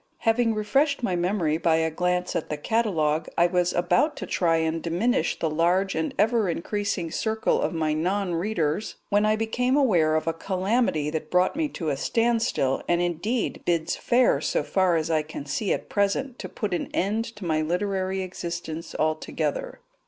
Having refreshed my memory by a glance at the catalogue, I was about to try and diminish the large and ever increasing circle of my non readers when I became aware of a calamity that brought me to a standstill, and indeed bids fair, so far as I can see at present, to put an end to my literary existence altogether.